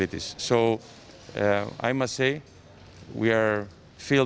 kita penuh dengan kemampuan